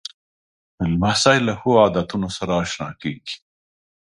لمسی له ښو عادتونو سره اشنا کېږي.